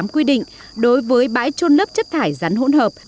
quy định đối với bãi trôn lớp chất thải rắn hỗn hợp